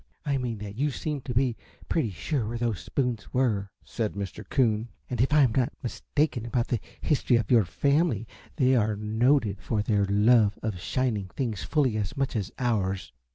"I mean that you seemed to be pretty sure where those spoons were," said Mr. Coon, "and if I am not mistaken about the history of your family, they are noted for their love of shining things fully as much as ours."